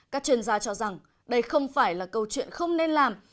các chuyên gia cho rằng đây không phải là câu chuyện không nên làm